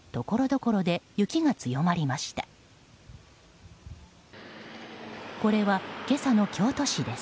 これは今朝の京都市です。